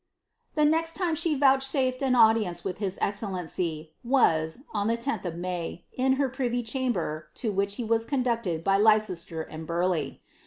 ^'' The next time she vouchsafed an audience to his excellency, was, on the 10th of May, in her privy chamber, to which he was conducted by Leicester and Burleigh.